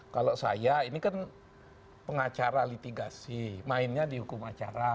kalau saya ini kan pengacara litigasi mainnya di hukum acara